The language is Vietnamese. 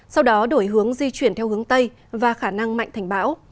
sau đó đổi hướng di chuyển theo hướng tây và khả năng mạnh thành bão